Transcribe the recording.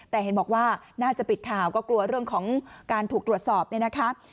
แต่เห็นบอกว่าน่าจะปิดข่าวก็กลัวเรื่องของการถูกตรวจสอบเนี่ยนะคะ